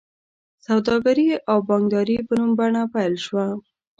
سوداګري او بانکداري په نوې بڼه پیل شوه.